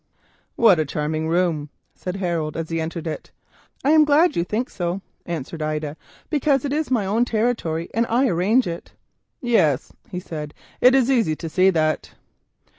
"What a charming room," he said, as he entered it. "I am glad you think so," answered Ida; "because it is my own territory, and I arrange it." "Yes," he said, "it is easy to see that."